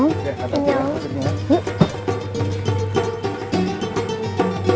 mudah mudahan jumlah jamaah seperti ini bisa bertahan sampai akhir